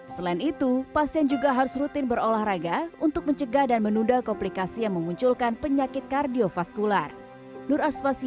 selain itu pasien juga harus rutin berolahraga untuk mencegah dan menunda komplikasi yang memunculkan penyakit kardiofaskular